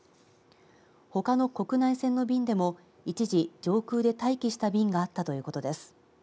ほかの国内線の便でも一時上空で待機した便があったということです。